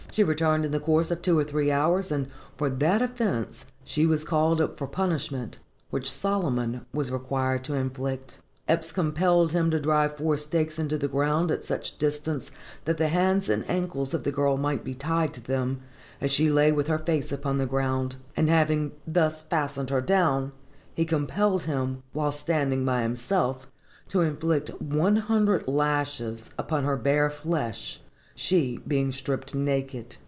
She returned in the course of two or three hours, and for that offence she was called up for punishment, which Solomon was required to inflict. Eppes compelled him to drive four stakes into the ground at such distances that the hands and ankles of the girl might be tied to them, as she lay with her face upon the ground; and, having thus fastened her down, he compelled him, while standing by himself, to inflict one hundred lashes upon her bare flesh, she being stripped naked.